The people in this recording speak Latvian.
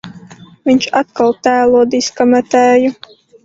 Viņš atkal tēlo diska metēju.